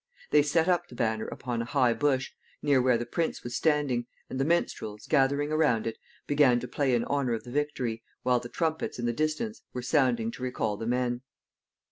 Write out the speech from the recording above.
They set up the banner upon a high bush, near where the prince was standing, and the minstrels, gathering around it, began to play in honor of the victory, while the trumpets in the distance were sounding to recall the men.